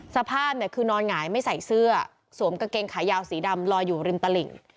สภาพเนี่ยคือนอนหงายไม่ใส่เสื้อสวมกางเกงขายาวสีดำลอยอยู่ริมตลิ่ง